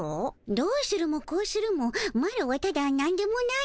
どうするもこうするもマロはただなんでもない